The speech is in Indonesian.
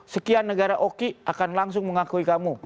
empat puluh sekian negara oki akan langsung mengakui kamu